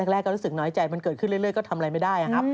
แรกก็รู้สึกน้อยใจมันเกิดขึ้นเรื่อยก็ทำอะไรไม่ได้ครับ